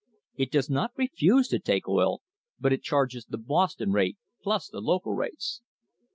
It does not refuse to take oil, but it charges the Boston rate plus the local rates.